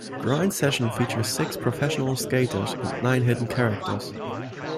Grind Session features six professional skaters and nine hidden characters.